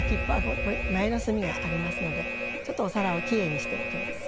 これ前の墨がありますのでちょっとお皿をきれいにしておきます。